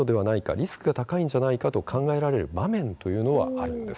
リスクが高いのではないかと考えられる場面というのはあるんです。